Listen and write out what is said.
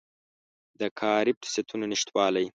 د کاري فرصتونو نشتوالی